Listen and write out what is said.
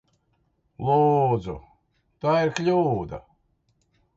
Lūdzu! Tā ir kļūda!